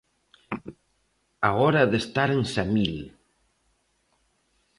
A hora de estar en Samil.